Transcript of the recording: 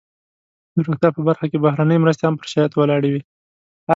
د روغتیا په برخه کې بهرنۍ مرستې هم پر شرایطو ولاړې وي.